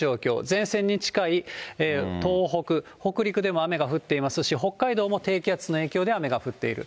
前線に近い東北、北陸でも雨が降っていますし、北海道も低気圧の影響で雨が降っている。